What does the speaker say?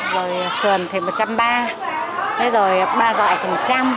rồi sườn thì một trăm ba mươi rồi ba dọi thì một trăm linh